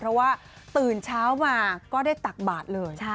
เพราะว่าตื่นเช้ามาก็ได้ตักบาทเลย